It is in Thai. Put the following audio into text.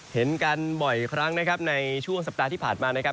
เห็นกันบ่อยครั้งนะครับในช่วงสัปดาห์ที่ผ่านมานะครับ